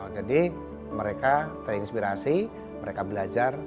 mereka terinspirasi mereka belajar